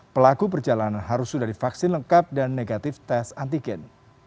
pelaku perjalanan harus sudah divaksin lengkap dan negatif tes antigen